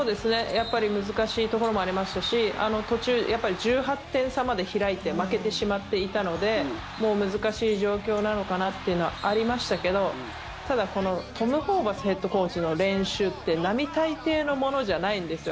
やっぱり難しいところもありましたし途中、１８点差まで開いて負けてしまっていたのでもう難しい状況なのかなというのはありましたけどただ、このトム・ホーバスヘッドコーチの練習って並大抵のものじゃないんですよ。